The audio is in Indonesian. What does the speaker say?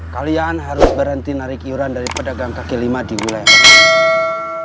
kalian harus berhenti narik iuran dari pedagang kaki lima di wilayah tersebut